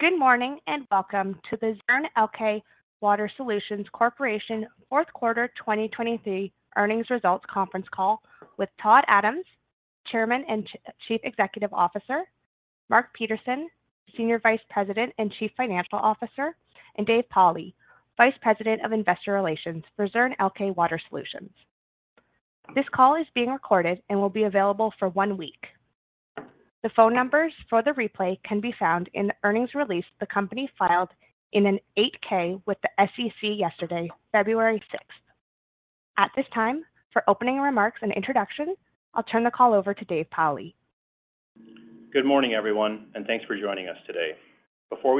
Good morning, and welcome to the Zurn Elkay Water Solutions Corporation fourth quarter 2023 earnings results conference call with Todd Adams, Chairman and Chief Executive Officer, Mark Peterson, Senior Vice President and Chief Financial Officer, and Dave Pauli, Vice President of Investor Relations for Zurn Elkay Water Solutions. This call is being recorded and will be available for one week. The phone numbers for the replay can be found in the earnings release the company filed in an 8-K with the SEC yesterday, February sixth. At this time, for opening remarks and introduction, I'll turn the call over to Dave Pauli. Good morning, everyone, and thanks for joining us today. Before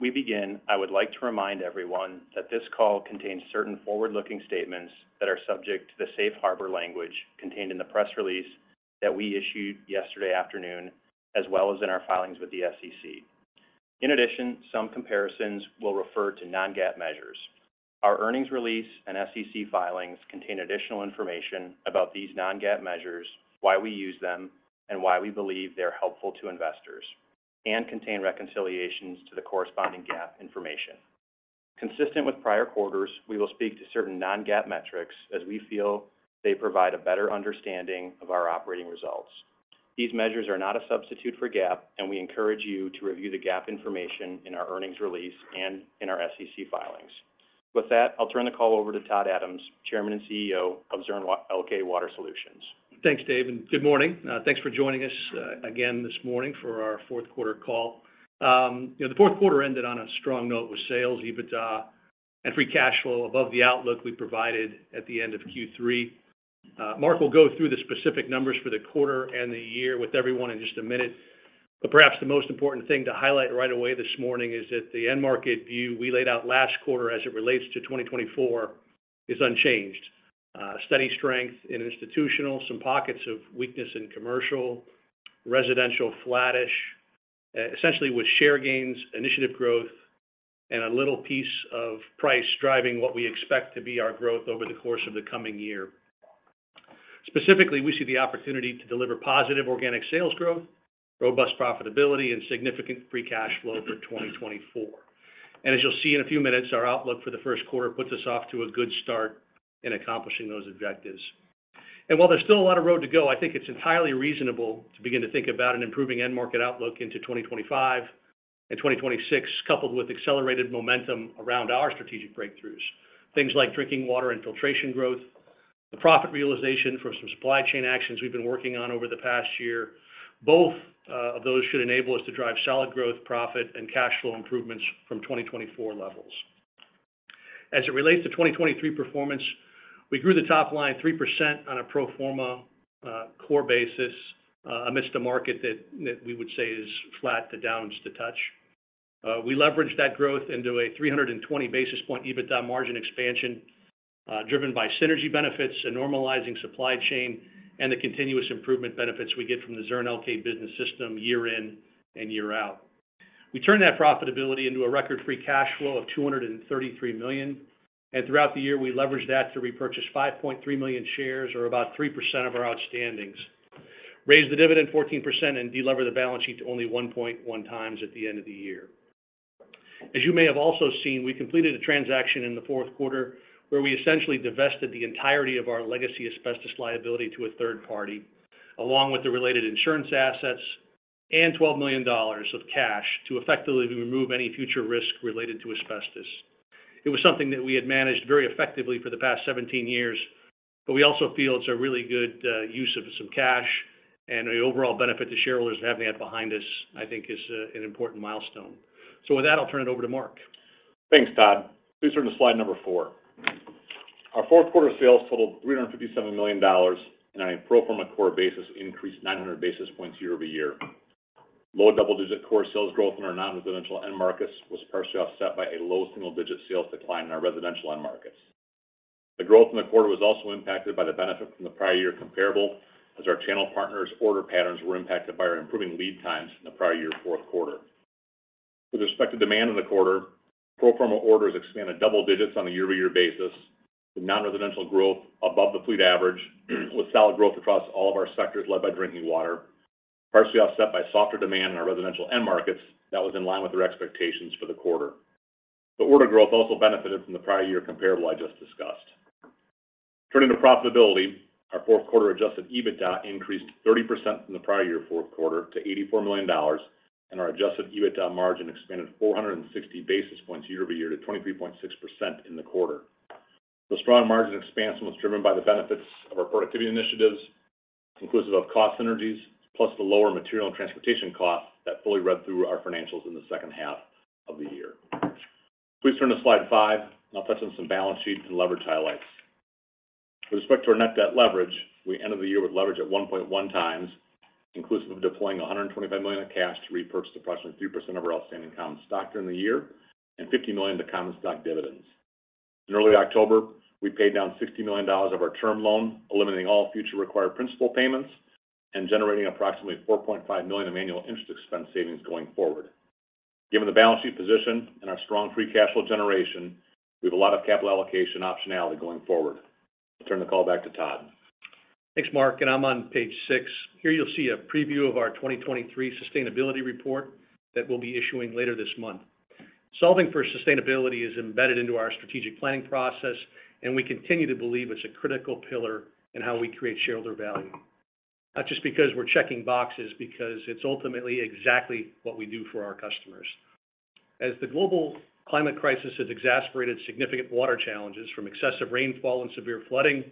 we begin, I would like to remind everyone that this call contains certain forward-looking statements that are subject to the safe harbor language contained in the press release that we issued yesterday afternoon, as well as in our filings with the SEC. In addition, some comparisons will refer to non-GAAP measures. Our earnings release and SEC filings contain additional information about these non-GAAP measures, why we use them, and why we believe they are helpful to investors, and contain reconciliations to the corresponding GAAP information. Consistent with prior quarters, we will speak to certain non-GAAP metrics as we feel they provide a better understanding of our operating results. These measures are not a substitute for GAAP, and we encourage you to review the GAAP information in our earnings release and in our SEC filings. With that, I'll turn the call over to Todd Adams, Chairman and CEO of Zurn Elkay Water Solutions. Thanks, Dave, and good morning. Thanks for joining us again this morning for our fourth quarter call. You know, the fourth quarter ended on a strong note with sales, EBITDA, and free cash flow above the outlook we provided at the end of Q3. Mark will go through the specific numbers for the quarter and the year with everyone in just a minute. But perhaps the most important thing to highlight right away this morning is that the end market view we laid out last quarter as it relates to 2024 is unchanged. Steady strength in institutional, some pockets of weakness in commercial, residential flattish, essentially with share gains, initiative growth, and a little piece of price driving what we expect to be our growth over the course of the coming year. Specifically, we see the opportunity to deliver positive organic sales growth, robust profitability, and significant free cash flow for 2024. And as you'll see in a few minutes, our outlook for the first quarter puts us off to a good start in accomplishing those objectives. And while there's still a lot of road to go, I think it's entirely reasonable to begin to think about an improving end market outlook into 2025 and 2026, coupled with accelerated momentum around our strategic breakthroughs. Things like drinking water and filtration growth, the profit realization for some supply chain actions we've been working on over the past year. Both of those should enable us to drive solid growth, profit, and cash flow improvements from 2024 levels. As it relates to 2023 performance, we grew the top line 3% on a pro forma core basis amidst a market that, that we would say is flat to down slightly. We leveraged that growth into a 320 basis point EBITDA margin expansion, driven by synergy benefits, a normalizing supply chain, and the continuous improvement benefits we get from the Zurn Elkay Business System year in and year out. We turned that profitability into a record free cash flow of $233 million, and throughout the year, we leveraged that to repurchase 5.3 million shares, or about 3% of our outstandings, raised the dividend 14%, and delever the balance sheet to only 1.1x at the end of the year. As you may have also seen, we completed a transaction in the fourth quarter, where we essentially divested the entirety of our legacy asbestos liability to a third party, along with the related insurance assets and $12 million of cash to effectively remove any future risk related to asbestos. It was something that we had managed very effectively for the past 17 years, but we also feel it's a really good use of some cash, and the overall benefit to shareholders in having that behind us, I think, is an important milestone. So with that, I'll turn it over to Mark. Thanks, Todd. Please turn to slide number four. Our fourth quarter sales totaled $357 million, and on a pro forma core basis, increased 900 basis points year-over-year. Low double-digit core sales growth in our non-residential end markets was partially offset by a low single-digit sales decline in our residential end markets. The growth in the quarter was also impacted by the benefit from the prior year comparable, as our channel partners' order patterns were impacted by our improving lead times in the prior year fourth quarter. With respect to demand in the quarter, pro forma orders expanded double digits on a year-over-year basis, with non-residential growth above the fleet average, with solid growth across all of our sectors led by drinking water, partially offset by softer demand in our residential end markets that was in line with their expectations for the quarter. Order growth also benefited from the prior year comparable I just discussed. Turning to profitability, our fourth quarter adjusted EBITDA increased 30% from the prior year fourth quarter to $84 million, and our adjusted EBITDA margin expanded 460 basis points year-over-year to 23.6% in the quarter. The strong margin expansion was driven by the benefits of our productivity initiatives, inclusive of cost synergies, plus the lower material and transportation costs that fully read through our financials in the second half of the year. Please turn to slide five, and I'll touch on some balance sheet and leverage highlights. With respect to our net debt leverage, we ended the year with leverage at 1.1x, inclusive of deploying $125 million of cash to repurchase approximately 3% of our outstanding common stock during the year and $50 million to common stock dividends. In early October, we paid down $60 million of our term loan, eliminating all future required principal payments and generating approximately $4.5 million of annual interest expense savings going forward. Given the balance sheet position and our strong free cash flow generation, we have a lot of capital allocation optionality going forward. I'll turn the call back to Todd. ... Thanks, Mark, and I'm on page six. Here you'll see a preview of our 2023 sustainability report that we'll be issuing later this month. Solving for sustainability is embedded into our strategic planning process, and we continue to believe it's a critical pillar in how we create shareholder value. Not just because we're checking boxes, because it's ultimately exactly what we do for our customers. As the global climate crisis has exacerbated significant water challenges, from excessive rainfall and severe flooding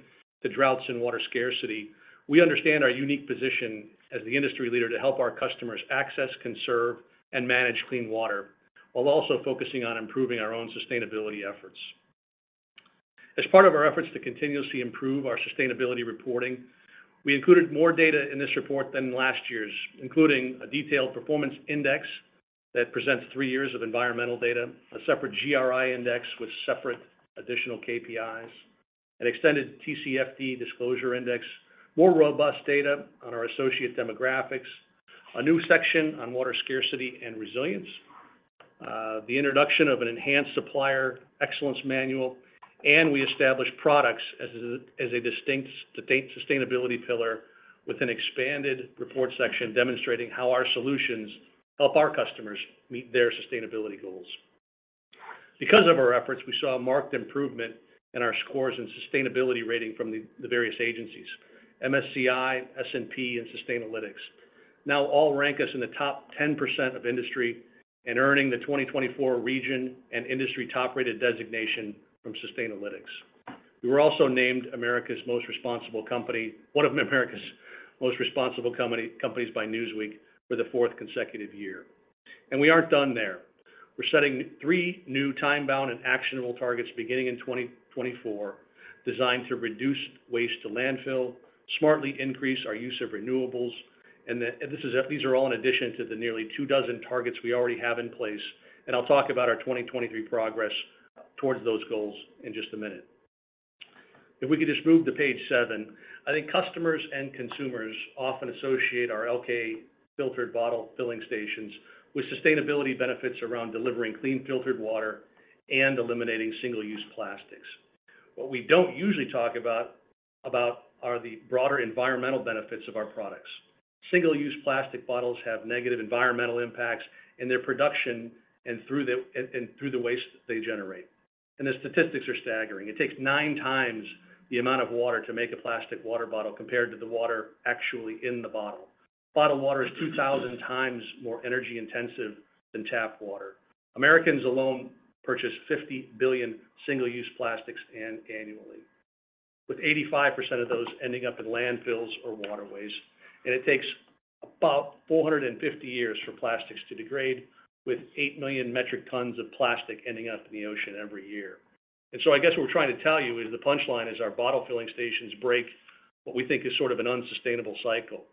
to droughts and water scarcity, we understand our unique position as the industry leader to help our customers access, conserve, and manage clean water, while also focusing on improving our own sustainability efforts. As part of our efforts to continuously improve our sustainability reporting, we included more data in this report than last year's, including a detailed performance index that presents three years of environmental data, a separate GRI index with separate additional KPIs, an extended TCFD disclosure index, more robust data on our associate demographics, a new section on water scarcity and resilience, the introduction of an enhanced supplier excellence manual, and we established products as a distinct state sustainability pillar with an expanded report section demonstrating how our solutions help our customers meet their sustainability goals. Because of our efforts, we saw a marked improvement in our scores and sustainability rating from the various agencies, MSCI, S&P, and Sustainalytics. Now, all rank us in the top 10% of industry and earning the 2024 Region and Industry Top-Rated designation from Sustainalytics. We were also named one of America's Most Responsible Companies by Newsweek for the fourth consecutive year. We aren't done there. We're setting three new time-bound and actionable targets beginning in 2024, designed to reduce waste to landfill, smartly increase our use of renewables, and... These are all in addition to the nearly two dozen targets we already have in place, and I'll talk about our 2023 progress towards those goals in just a minute. If we could just move to page seven. I think customers and consumers often associate our Elkay filtered bottle filling stations with sustainability benefits around delivering clean, filtered water and eliminating single-use plastics. What we don't usually talk about are the broader environmental benefits of our products. Single-use plastic bottles have negative environmental impacts in their production and through the waste they generate. The statistics are staggering. It takes 9x the amount of water to make a plastic water bottle compared to the water actually in the bottle. Bottled water is 2,000x more energy intensive than tap water. Americans alone purchase 50 billion single-use plastics annually, with 85% of those ending up in landfills or waterways. It takes about 450 years for plastics to degrade, with 8 million metric tons of plastic ending up in the ocean every year. So I guess what we're trying to tell you is the punchline is our bottle filling stations break what we think is sort of an unsustainable cycle.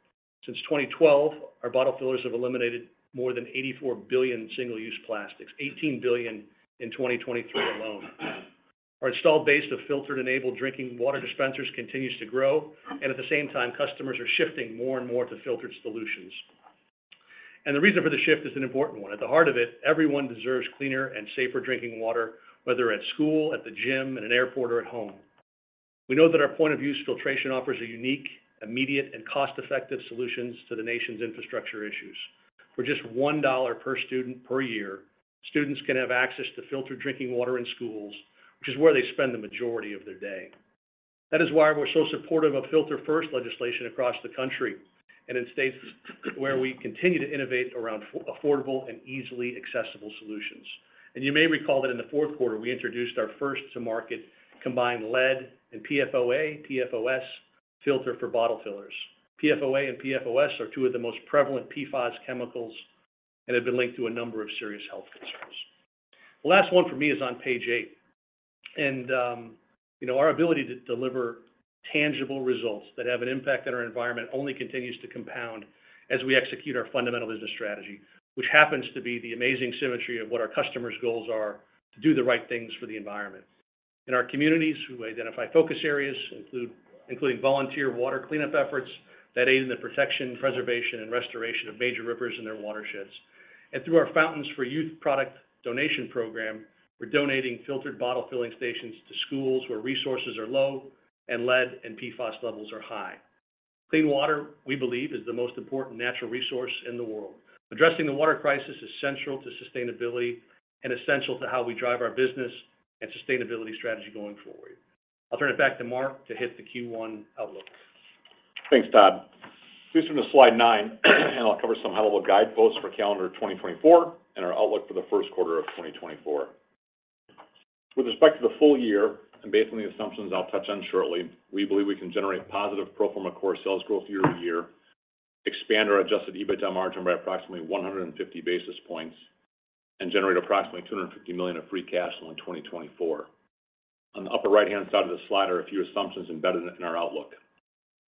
Since 2012, our bottle fillers have eliminated more than 84 billion single-use plastics, 18 billion in 2023 alone. Our installed base of filtered-enabled drinking water dispensers continues to grow, and at the same time, customers are shifting more and more to filtered solutions. The reason for the shift is an important one. At the heart of it, everyone deserves cleaner and safer drinking water, whether at school, at the gym, in an airport, or at home. We know that our point of use filtration offers a unique, immediate, and cost-effective solutions to the nation's infrastructure issues. For just $1 per student per year, students can have access to filtered drinking water in schools, which is where they spend the majority of their day. That is why we're so supportive of Filter First legislation across the country, and in states where we continue to innovate around affordable and easily accessible solutions. You may recall that in the fourth quarter, we introduced our first to market combined lead and PFOA/PFOS filter for bottle fillers. PFOA and PFOS are two of the most prevalent PFAS chemicals and have been linked to a number of serious health concerns. The last one for me is on page eight, and, you know, our ability to deliver tangible results that have an impact on our environment only continues to compound as we execute our fundamental business strategy, which happens to be the amazing symmetry of what our customers' goals are to do the right things for the environment. In our communities, we identify focus areas, including volunteer water cleanup efforts that aid in the protection, preservation, and restoration of major rivers and their watersheds. And through our Fountains for Youth product donation program, we're donating filtered bottle filling stations to schools where resources are low and lead and PFAS levels are high. Clean water, we believe, is the most important natural resource in the world. Addressing the water crisis is central to sustainability and essential to how we drive our business and sustainability strategy going forward. I'll turn it back to Mark to hit the Q1 outlook. Thanks, Todd. Please turn to slide nine, and I'll cover some high-level guideposts for calendar 2024 and our outlook for the first quarter of 2024. With respect to the full year, and based on the assumptions I'll touch on shortly, we believe we can generate positive pro forma core sales growth year-over-year, expand our adjusted EBITDA margin by approximately 150 basis points, and generate approximately $250 million of free cash flow in 2024. On the upper right-hand side of the slide are a few assumptions embedded in our outlook.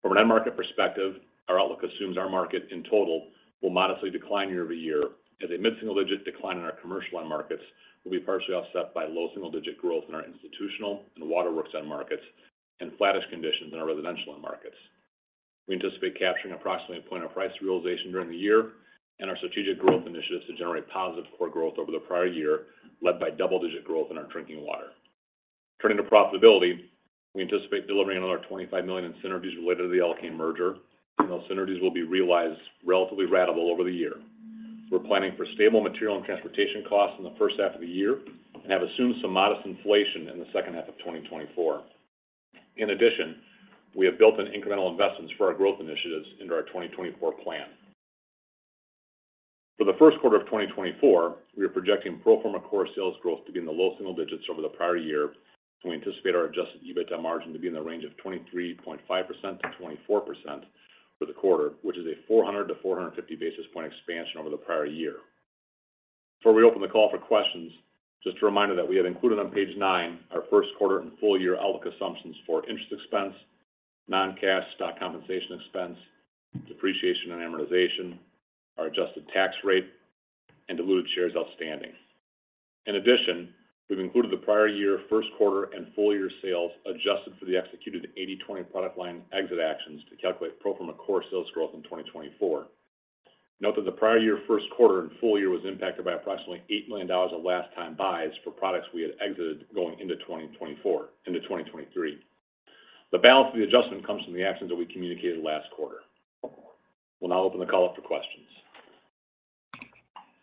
From an end market perspective, our outlook assumes our market in total will modestly decline year-over-year, as a mid-single-digit decline in our commercial end markets will be partially offset by low single-digit growth in our institutional and waterworks end markets and flattish conditions in our residential end markets... We anticipate capturing approximately a point of price realization during the year, and our strategic growth initiatives to generate positive core growth over the prior year, led by double-digit growth in our drinking water. Turning to profitability, we anticipate delivering another $25 million in synergies related to the Elkay merger, and those synergies will be realized relatively ratable over the year. We're planning for stable material and transportation costs in the first half of the year and have assumed some modest inflation in the second half of 2024. In addition, we have built in incremental investments for our growth initiatives into our 2024 plan. For the first quarter of 2024, we are projecting pro forma core sales growth to be in the low single digits over the prior year, and we anticipate our adjusted EBITDA margin to be in the range of 23.5%-24% for the quarter, which is a 400-450 basis point expansion over the prior year. Before we open the call for questions, just a reminder that we have included on page nine our first quarter and full-year outlook assumptions for interest expense, non-cash stock compensation expense, depreciation and amortization, our adjusted tax rate, and diluted shares outstanding. In addition, we've included the prior year, first quarter, and full year sales, adjusted for the executed 80/20 product line exit actions to calculate pro forma core sales growth in 2024. Note that the prior year, first quarter, and full year was impacted by approximately $8 million of last-time buys for products we had exited going into 2024, into 2023. The balance of the adjustment comes from the actions that we communicated last quarter. We'll now open the call up for questions.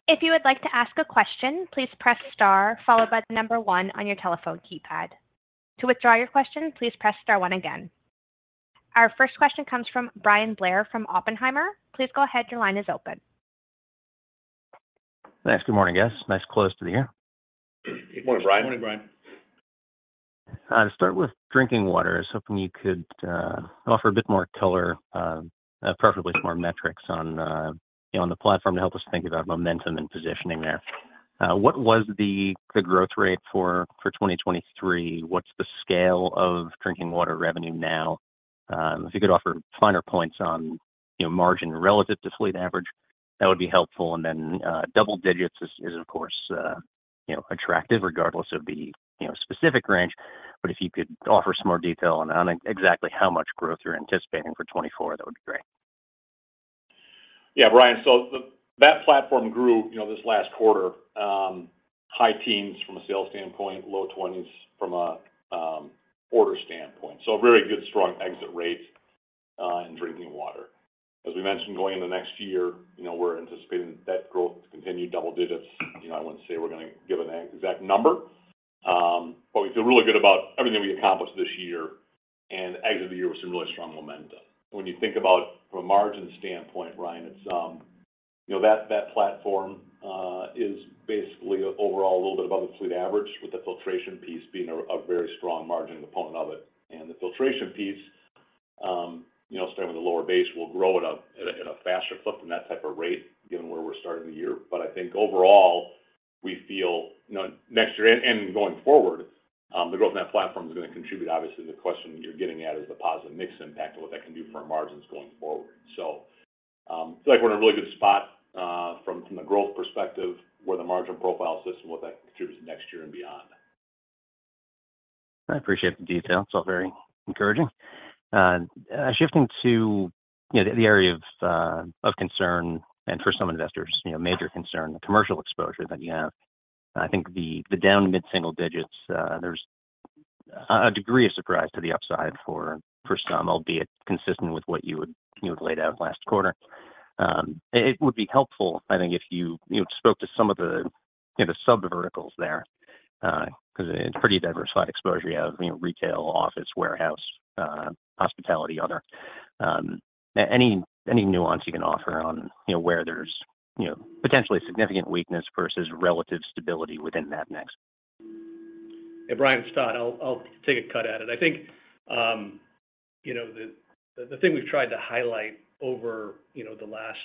If you would like to ask a question, please press star, followed by the number one on your telephone keypad. To withdraw your question, please press star one again. Our first question comes from Bryan Blair from Oppenheimer. Please go ahead. Your line is open. Thanks. Good morning, guys. Nice close to the year. Good morning, Bryan. Good morning, Bryan. To start with drinking water, I was hoping you could offer a bit more color, preferably some more metrics on, you know, on the platform to help us think about momentum and positioning there. What was the growth rate for 2023? What's the scale of drinking water revenue now? If you could offer finer points on, you know, margin relative to fleet average, that would be helpful. And then, double digits is of course, you know, attractive regardless of the, you know, specific range. But if you could offer some more detail on exactly how much growth you're anticipating for 2024, that would be great. Yeah, Bryan. So that platform grew, you know, this last quarter, high teens from a sales standpoint, low twenties from a order standpoint. So a very good, strong exit rate in drinking water. As we mentioned, going into next year, you know, we're anticipating that growth to continue double digits. You know, I wouldn't say we're gonna give an exact number, but we feel really good about everything we accomplished this year and exit the year with some really strong momentum. When you think about from a margin standpoint, Bryan, it's, you know, that platform is basically overall a little bit above the fleet average, with the filtration piece being a very strong margin component of it. The filtration piece, you know, starting with a lower base, will grow at a faster clip than that type of rate, given where we're starting the year. But I think overall, we feel, you know, next year and going forward, the growth in that platform is gonna contribute. Obviously, the question you're getting at is the positive mix impact of what that can do for our margins going forward. So, I feel like we're in a really good spot, from the growth perspective, where the margin profile sits and what that contributes next year and beyond. I appreciate the detail. It's all very encouraging. Shifting to, you know, the area of concern, and for some investors, you know, major concern, the commercial exposure that you have. I think the down mid-single digits, there's a degree of surprise to the upside for some, albeit consistent with what you had laid out last quarter. It would be helpful, I think, if you spoke to some of the, you know, sub verticals there, because it's pretty diversified exposure. You have, you know, retail, office, warehouse, hospitality, other. Any nuance you can offer on, you know, where there's, you know, potentially significant weakness versus relative stability within that mix? Yeah, Bryan, I'll take a cut at it. I think, you know, the thing we've tried to highlight over, you know, the last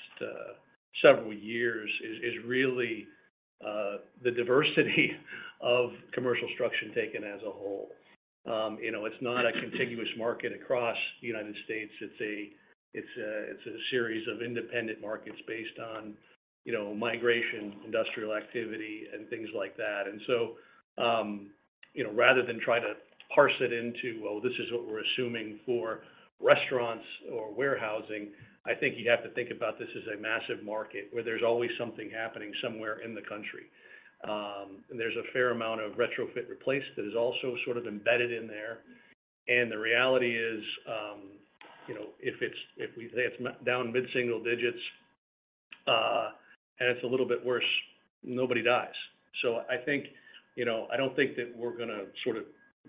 several years is really the diversity of commercial structure taken as a whole. You know, it's not a contiguous market across the United States. It's a series of independent markets based on, you know, migration, industrial activity, and things like that. And so, you know, rather than try to parse it into, "Well, this is what we're assuming for restaurants or warehousing," I think you have to think about this as a massive market, where there's always something happening somewhere in the country. And there's a fair amount of retrofit replaced that is also sort of embedded in there. The reality is, you know, if we say it's down mid-single digits, and it's a little bit worse, nobody dies. So I think, you know, I don't think that we're gonna sort of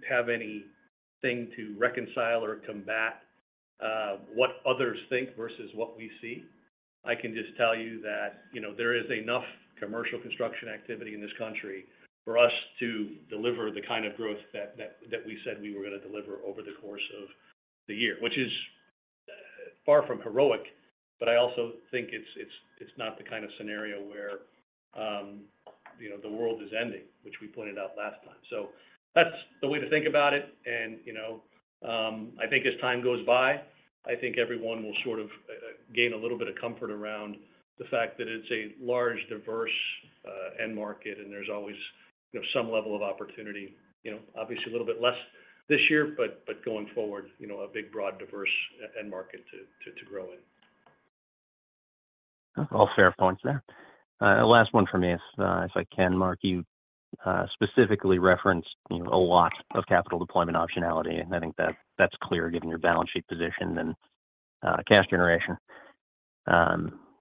have anything to reconcile or combat what others think versus what we see. I can just tell you that, you know, there is enough commercial construction activity in this country for us to deliver the kind of growth that we said we were gonna deliver over the course of the year, which is far from heroic, but I also think it's not the kind of scenario where you know, the world is ending, which we pointed out last time. So that's the way to think about it, and, you know, I think as time goes by, I think everyone will sort of gain a little bit of comfort around the fact that it's a large, diverse-... end market, and there's always, you know, some level of opportunity. You know, obviously, a little bit less this year, but going forward, you know, a big, broad, diverse end market to grow in. All fair points there. Last one for me, if I can, Mark. You specifically referenced, you know, a lot of capital deployment optionality, and I think that's clear, given your balance sheet position and cash generation.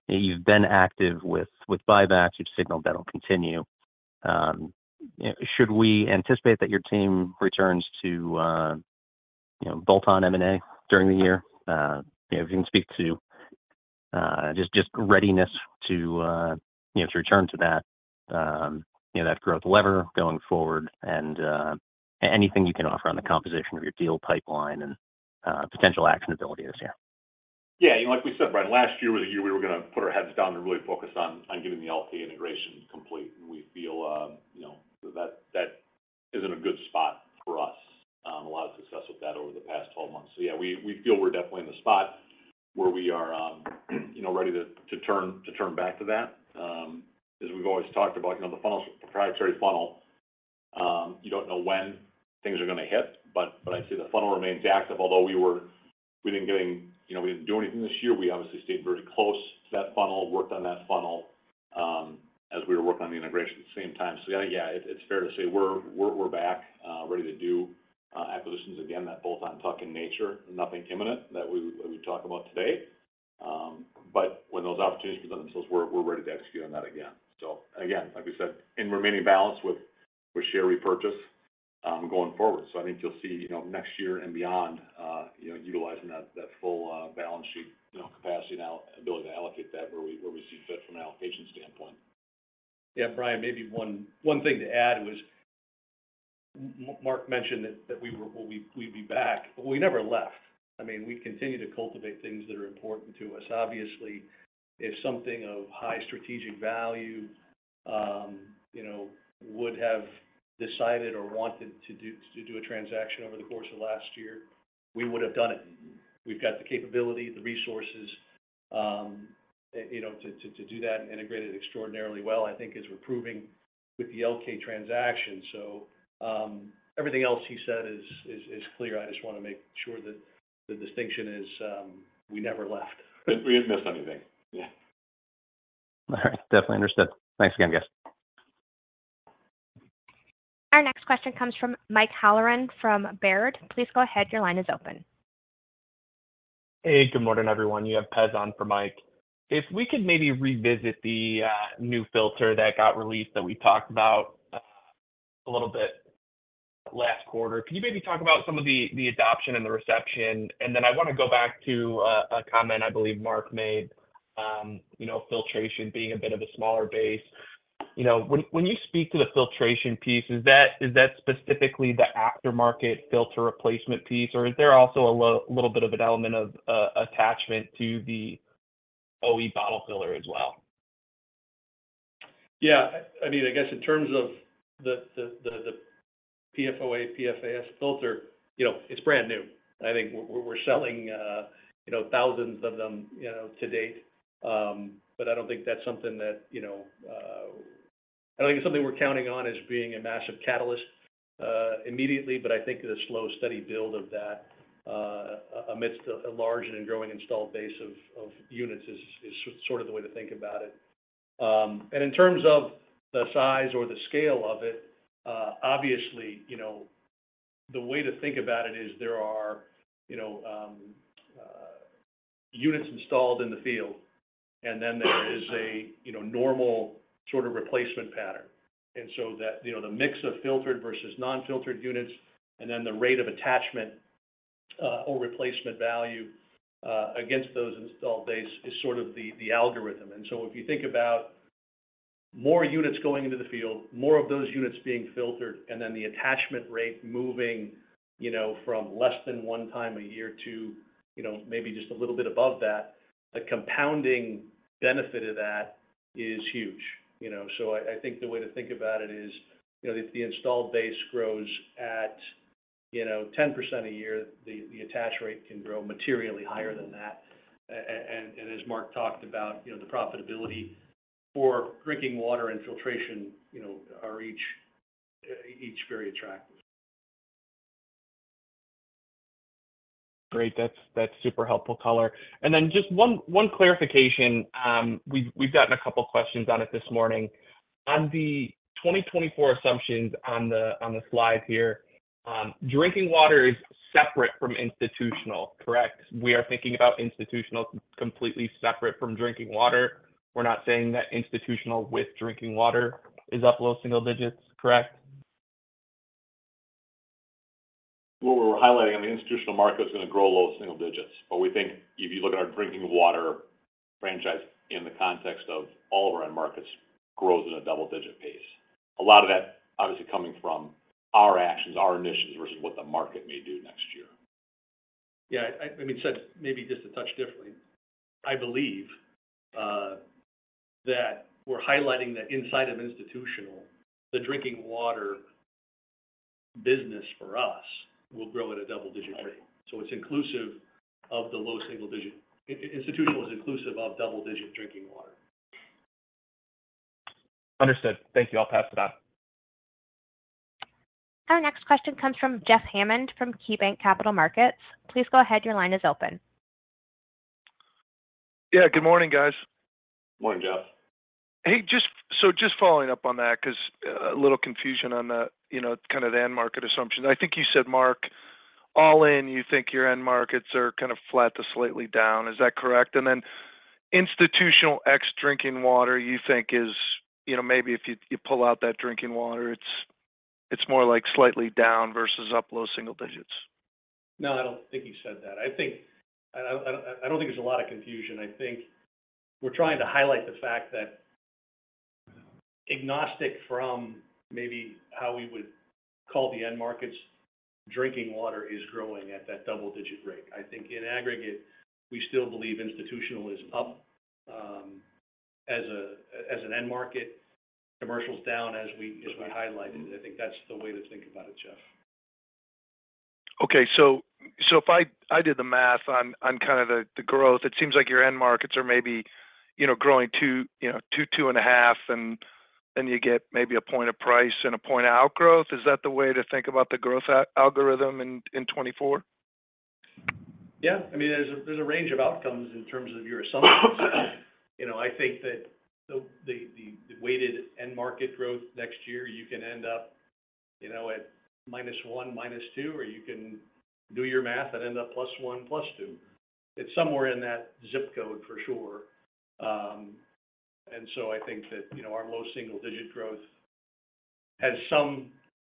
You've been active with buybacks, you've signaled that'll continue. Should we anticipate that your team returns to, you know, bolt-on M&A during the year? If you can speak to just readiness to, you know, to return to that, you know, that growth lever going forward and anything you can offer on the composition of your deal pipeline and potential actionability this year. Yeah, you know, like we said, Bryan, last year was a year we were gonna put our heads down and really focus on, on getting the LK integration complete. And we feel, you know, that that is in a good spot for us. A lot of success with that over the past 12 months. So yeah, we, we feel we're definitely in the spot where we are, you know, ready to, to turn, to turn back to that. As we've always talked about, you know, the funnel, proprietary funnel, you don't know when things are gonna hit, but, but I'd say the funnel remains active. Although we were... you know, we didn't do anything this year, we obviously stayed very close to that funnel, worked on that funnel, as we were working on the integration at the same time. So yeah, it's fair to say we're back ready to do acquisitions again, that bolt-on tuck-in nature. Nothing imminent that we talk about today, but when those opportunities present themselves, we're ready to execute on that again. So again, like we said, in remaining balance with share repurchase going forward. So I think you'll see, you know, next year and beyond, you know, utilizing that full balance sheet, you know, capacity and ability to allocate that where we see fit from an allocation standpoint. Yeah, Bryan, maybe one thing to add was Mark mentioned that we were, we'd be back, but we never left. I mean, we continue to cultivate things that are important to us. Obviously, if something of high strategic value would have decided or wanted to do a transaction over the course of last year, we would have done it. We've got the capability, the resources to do that and integrate it extraordinarily well, I think, as we're proving with the LK transaction. So, everything else he said is clear. I just want to make sure that the distinction is we never left. We didn't miss anything. Yeah. All right. Definitely understood. Thanks again, guys. Our next question comes from Mike Halloran from Baird. Please go ahead. Your line is open. Hey, good morning, everyone. You have Pez on for Mike. If we could maybe revisit the new filter that got released that we talked about a little bit last quarter. Can you maybe talk about some of the adoption and the reception? And then I want to go back to a comment I believe Mark made, you know, filtration being a bit of a smaller base. You know, when you speak to the filtration piece, is that specifically the aftermarket filter replacement piece, or is there also a little bit of an element of attachment to the OE bottle filler as well? Yeah, I mean, I guess in terms of the PFOA, PFAS filter, you know, it's brand new. I think we're selling, you know, thousands of them, you know, to date. But I don't think that's something that, you know... I don't think it's something we're counting on as being a massive catalyst, immediately, but I think the slow, steady build of that, amidst a large and growing installed base of units is sort of the way to think about it. And in terms of the size or the scale of it, obviously, you know, the way to think about it is there are, you know, units installed in the field, and then there is a normal sort of replacement pattern. And so that, you know, the mix of filtered versus non-filtered units, and then the rate of attachment, or replacement value, against those installed base is sort of the algorithm. And so if you think about more units going into the field, more of those units being filtered, and then the attachment rate moving, you know, from less than one time a year to, you know, maybe just a little bit above that, the compounding benefit of that is huge. You know? So I think the way to think about it is, you know, if the installed base grows at, you know, 10% a year, the attach rate can grow materially higher than that. And as Mark talked about, you know, the profitability for drinking water and filtration, you know, are each very attractive. Great. That's super helpful color. And then just one clarification. We've gotten a couple of questions on it this morning. On the 2024 assumptions on the slide here, drinking water is separate from institutional, correct? We are thinking about institutional completely separate from drinking water. We're not saying that institutional with drinking water is up low single digits, correct? What we're highlighting on the institutional market is gonna grow low single digits, but we think if you look at our drinking water franchise in the context of all of our end markets, grows at a double-digit pace. A lot of that obviously coming from our actions, our initiatives, versus what the market may do next year. Yeah, I mean, said maybe just a touch differently. I believe that we're highlighting that inside of institutional, the drinking water business for us will grow at a double-digit rate. So it's inclusive of the low single digit. Institutional is inclusive of double-digit drinking water. Understood. Thank you. I'll pass it on. Our next question comes from Jeff Hammond from KeyBanc Capital Markets. Please go ahead. Your line is open. Yeah, good morning, guys. Morning, Jeff. Hey, just so just following up on that, because a little confusion on the, you know, kind of the end market assumption. I think you said, Mark, all in, you think your end markets are kind of flat to slightly down. Is that correct? And then institutional ex drinking water, you think is, you know, maybe if you pull out that drinking water, it's more like slightly down versus up low single digits. No, I don't think he said that. I think I don't think there's a lot of confusion. I think we're trying to highlight the fact that agnostic from maybe how we would call the end markets, drinking water is growing at that double-digit rate. I think in aggregate, we still believe institutional is up, as an end market, commercial is down as we highlighted, and I think that's the way to think about it, Jeff. Okay. So if I did the math on kind of the growth, it seems like your end markets are maybe, you know, growing 2-2.5, and then you get maybe a point of price and a point outgrowth. Is that the way to think about the growth algorithm in 2024? Yeah. I mean, there's a range of outcomes in terms of your assumptions. You know, I think that the weighted end market growth next year, you can end up, you know, at -1, -2, or you can do your math and end up +1, +2. It's somewhere in that zip code, for sure. And so I think that, you know, our low single digit growth has some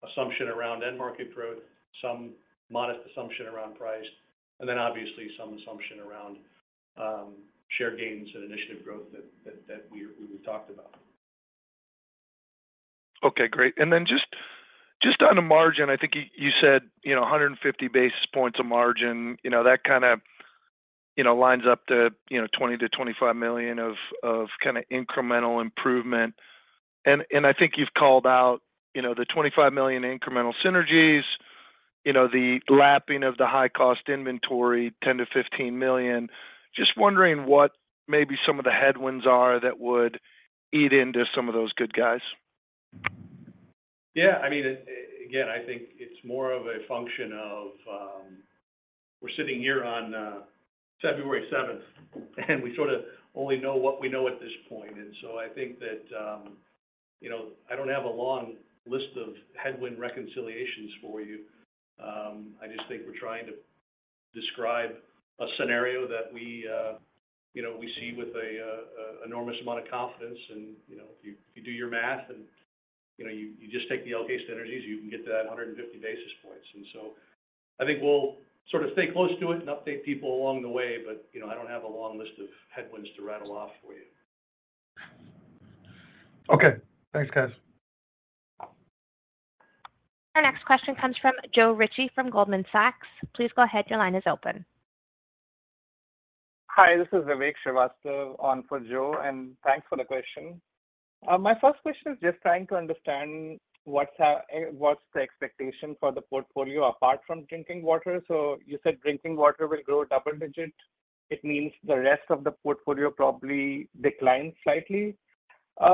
assumption around end market growth, some modest assumption around price, and then obviously some assumption around share gains and initiative growth that we talked about. Okay, great. And then just on the margin, I think you said, you know, 150 basis points of margin, you know, that kind of, you know, lines up to, you know, $20 million-$25 million of kind of incremental improvement. And I think you've called out, you know, the $25 million incremental synergies, you know, the lapping of the high-cost inventory, $10 million-$15 million. Just wondering what maybe some of the headwinds are that would eat into some of those good guys. Yeah, I mean, again, I think it's more of a function of, we're sitting here on February seventh, and we sort of only know what we know at this point. And so I think that, you know, I don't have a long list of headwind reconciliations for you. I just think we're trying to describe a scenario that we, you know, we see with an enormous amount of confidence. And, you know, if you do your math and, you know, you just take the Elkay synergies, you can get to that 150 basis points. And so I think we'll sort of stay close to it and update people along the way, but, you know, I don't have a long list of headwinds to rattle off for you. Okay. Thanks, guys. Our next question comes from Joe Ritchie from Goldman Sachs. Please go ahead. Your line is open. Hi, this is Vivek Srivastava on for Joe, and thanks for the question. My first question is just trying to understand what's, what's the expectation for the portfolio apart from drinking water. So you said drinking water will grow double digit. It means the rest of the portfolio probably declined slightly.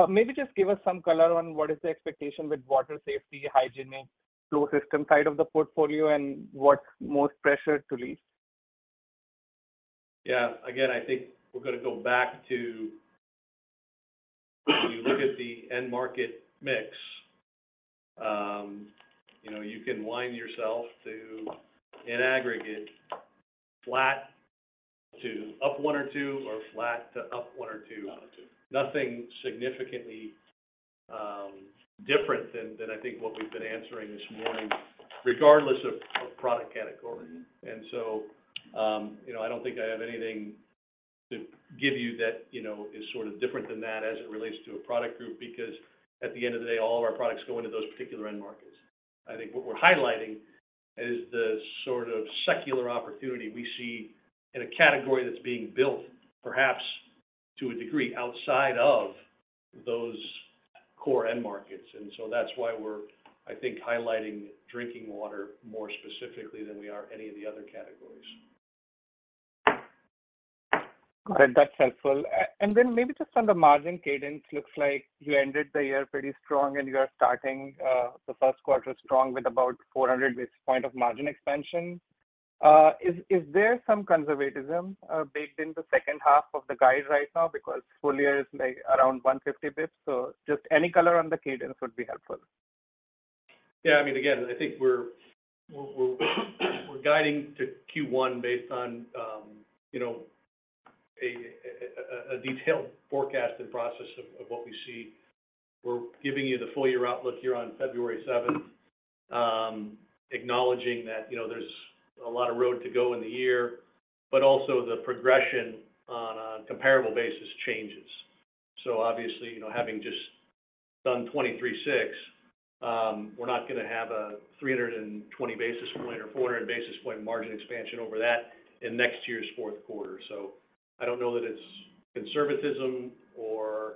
Maybe just give us some color on what is the expectation with water safety, hygienic, flow system side of the portfolio, and what's more pressure to leave? Yeah. Again, I think we're gonna go back to when you look at the end market mix, you know, you can line yourself to, in aggregate, flat to up one or two, or flat to up one or two. Nothing significantly different than, than I think what we've been answering this morning, regardless of, of product category. And so, you know, I don't think I have anything to give you that, you know, is sort of different than that as it relates to a product group, because at the end of the day, all of our products go into those particular end markets. I think what we're highlighting is the sort of secular opportunity we see in a category that's being built, perhaps to a degree, outside of those core end markets. That's why we're, I think, highlighting drinking water more specifically than we are any of the other categories. Got it. That's helpful. And then maybe just on the margin cadence, looks like you ended the year pretty strong and you are starting the first quarter strong with about 400 basis points of margin expansion. Is there some conservatism baked in the second half of the guide right now? Because full year is, like, around 150 basis points, so just any color on the cadence would be helpful. Yeah, I mean, again, I think we're guiding to Q1 based on, you know, a detailed forecasting process of what we see. We're giving you the full year outlook here on February seventh, acknowledging that, you know, there's a lot of road to go in the year, but also the progression on a comparable basis changes. So obviously, you know, having just done 2023 Q4, we're not gonna have a 320 basis point or 400 basis point margin expansion over that in next year's fourth quarter. So I don't know that it's conservatism or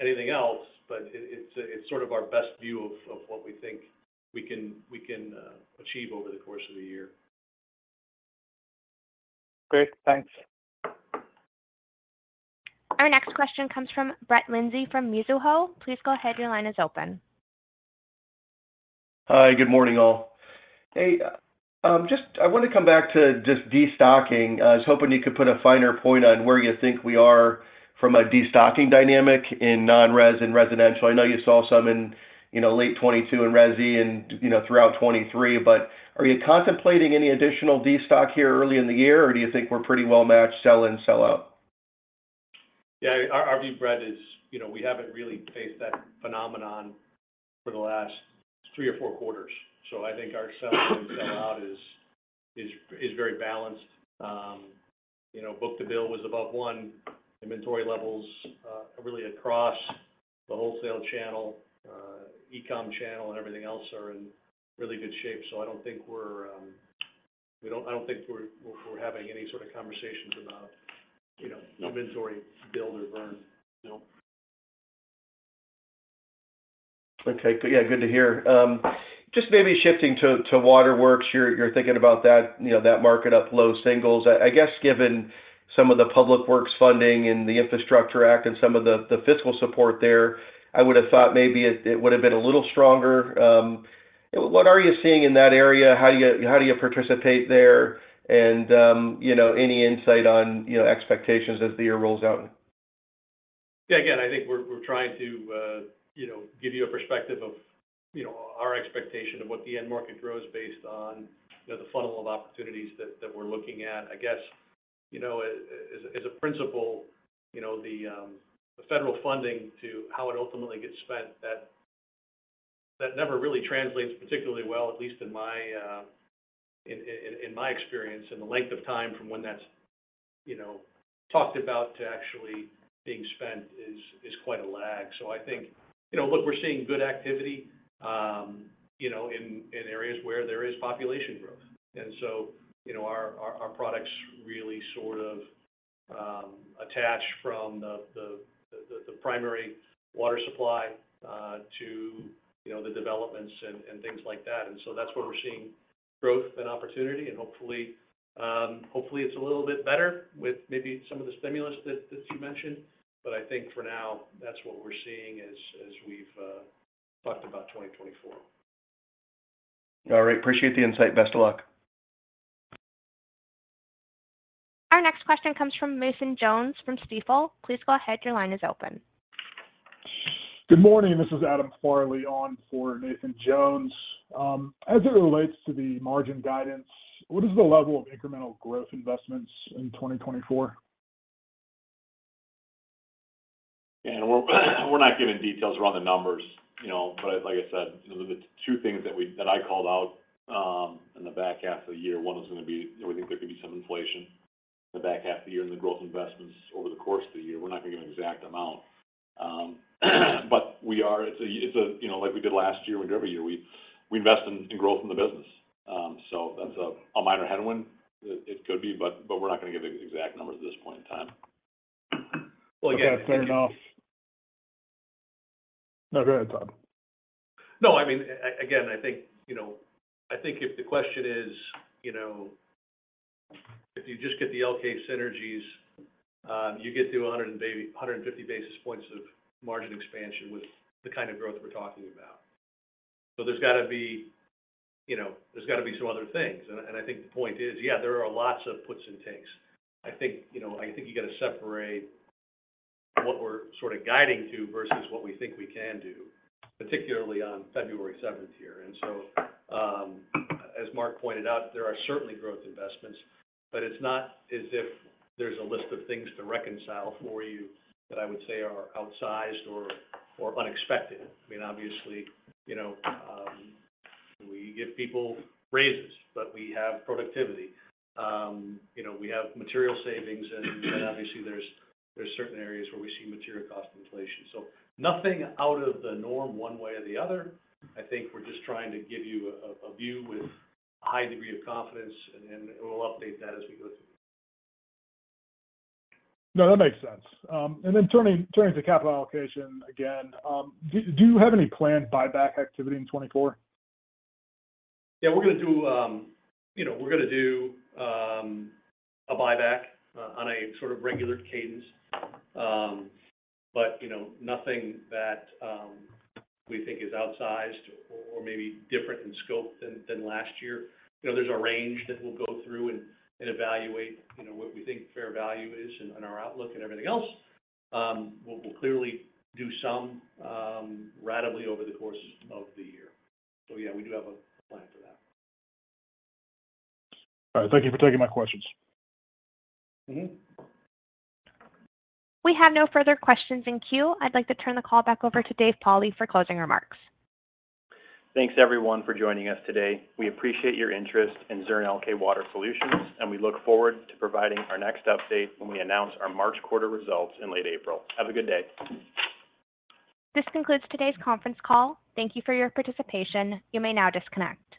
anything else, but it's sort of our best view of what we think we can achieve over the course of the year. Great. Thanks. Our next question comes from Brett Linzey from Mizuho. Please go ahead. Your line is open. Hi, good morning, all. Hey, just I wanted to come back to just destocking. I was hoping you could put a finer point on where you think we are from a destocking dynamic in non-res and residential. I know you saw some in, you know, late 2022 in resi and, you know, throughout 2023, but are you contemplating any additional destock here early in the year, or do you think we're pretty well matched sell in, sell out? Yeah, our view, Brett, is, you know, we haven't really faced that phenomenon for the last three or four quarters, so I think our sell in, sell out is very balanced. You know, book-to-bill was above one. Inventory levels really across the wholesale channel, e-com channel, and everything else are in really good shape. So I don't think we're having any sort of conversations about, you know, inventory build or burn, you know? Okay. Good. Yeah, good to hear. Just maybe shifting to water works, you're thinking about that, you know, that market up low singles. I guess given some of the public works funding and the Infrastructure Act and some of the fiscal support there, I would have thought maybe it would have been a little stronger. What are you seeing in that area? How do you participate there? And, you know, any insight on, you know, expectations as the year rolls out? Yeah, again, I think we're trying to, you know, give you a perspective of, you know, our expectation of what the end market grows based on, you know, the funnel of opportunities that we're looking at. I guess, you know, as a principle, you know, the federal funding to how it ultimately gets spent, that never really translates particularly well, at least in my experience. And the length of time from when that's, you know, talked about to actually being spent is quite a lag. So I think... You know, look, we're seeing good activity, you know, in areas where there is population growth. You know, our products really sort of attach from the primary water supply to, you know, the developments and things like that. That's where we're seeing growth and opportunity, and hopefully, hopefully, it's a little bit better with maybe some of the stimulus that you mentioned. But I think for now, that's what we're seeing as we've talked about 2024. All right. Appreciate the insight. Best of luck. Our next question comes from Nathan Jones from Stifel. Please go ahead. Your line is open. Good morning. This is Adam Farley on for Nathan Jones. As it relates to the margin guidance, what is the level of incremental growth investments in 2024? We're not giving details around the numbers, you know. But like I said, the two things that I called out in the back half of the year, one was going to be, we think there could be some inflation in the back half of the year and the growth investments over the course of the year. We're not giving an exact amount. But we are. It's a, you know, like we did last year and every year, we invest in growth in the business. So that's a minor headwind. It could be, but we're not going to give exact numbers at this point in time. Well, again. Okay. Fair enough. No, go ahead, Todd. No, I mean, again, I think, you know, I think if the question is, you know, if you just get the LK synergies, you get to 150 basis points of margin expansion with the kind of growth we're talking about. So there's got to be, you know, there's got to be some other things. And I think the point is, yeah, there are lots of puts and takes. I think, you know, I think you got to separate what we're sort of guiding to versus what we think we can do, particularly on February seventh here. And so, as Mark pointed out, there are certainly growth investments, but it's not as if there's a list of things to reconcile for you that I would say are outsized or unexpected. I mean, obviously, you know, we give people raises, but we have productivity. You know, we have material savings, and obviously there's certain areas where we see material cost inflation. So nothing out of the norm one way or the other. I think we're just trying to give you a view with a high degree of confidence, and then we'll update that as we go through. No, that makes sense. And then turning to capital allocation again, do you have any planned buyback activity in 2024? Yeah, we're going to do... You know, we're going to do a buyback on a sort of regular cadence. But, you know, nothing that we think is outsized or maybe different in scope than, than last year. You know, there's a range that we'll go through and evaluate, you know, what we think fair value is and our outlook and everything else. We'll clearly do some ratably over the course of the year. So yeah, we do have a plan for that. All right. Thank you for taking my questions. We have no further questions in queue. I'd like to turn the call back over to Dave Pauli for closing remarks. Thanks, everyone, for joining us today. We appreciate your interest in Zurn Elkay Water Solutions, and we look forward to providing our next update when we announce our March quarter results in late April. Have a good day. This concludes today's conference call. Thank you for your participation. You may now disconnect.